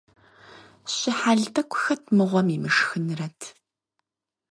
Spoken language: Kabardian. Щыхьэл тӀэкӀу хэт мыгъуэм имышхынрэт!